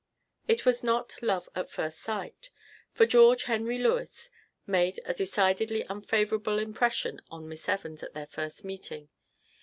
It was not love at first sight, for George Henry Lewes made a decidedly unfavorable impression on Miss Evans at their first meeting.